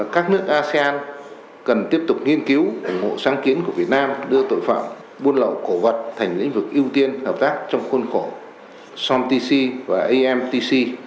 các nước asean cần tiếp tục nghiên cứu ủng hộ sáng kiến của việt nam đưa tội phạm buôn lậu cổ vật thành lĩnh vực ưu tiên hợp tác trong khuôn khổ somtc và amtc